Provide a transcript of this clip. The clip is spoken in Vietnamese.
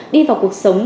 đi vào cuộc sống